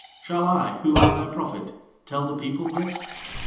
Shall I, who am their prophet, tell the people this?